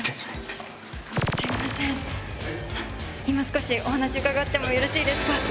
今少しお話伺ってもよろしいですか？